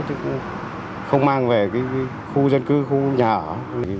chứ cũng không mang về cái khu dân cư khu nhà ở